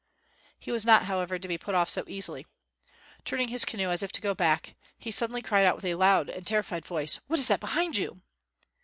He was not, however, to be put off so easily. Turning his canoe as if about to go back, he suddenly cried out with a loud and terrified voice: "What is that behind you?"